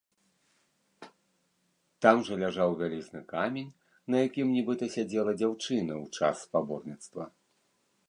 Там жа ляжаў вялізны камень, на якім нібыта сядзела дзяўчына ў час спаборніцтва.